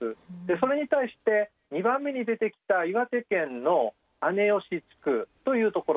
それに対して２番目に出てきた岩手県の姉吉地区というところですね